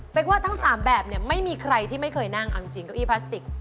กว่าทั้ง๓แบบเนี่ยไม่มีใครที่ไม่เคยนั่งเอาจริงเก้าอี้พลาสติก